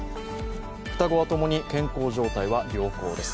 双子は共に健康状態は良好です。